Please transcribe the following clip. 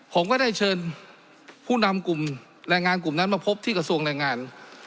ผมก็ได้เชิญผู้นำกลุ่มแรงงานกลุ่มนั้นมาพบที่กระทรวงแรงงาน